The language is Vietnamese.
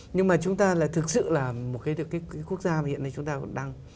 nhưng mà chúng ta là thực sự là một cái được cái quốc gia mà hiện nay chúng ta đang